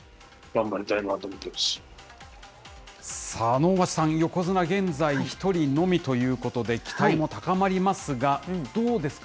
能町さん、横綱、現在一人のみということで、期待も高まりますが、どうですか？